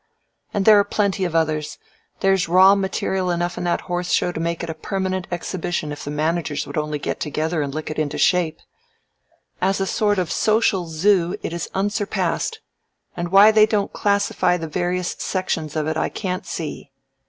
"And there are plenty of others. There's raw material enough in that Horse Show to make it a permanent exhibition if the managers would only get together and lick it into shape. As a sort of social zoo it is unsurpassed, and why they don't classify the various sections of it I can't see.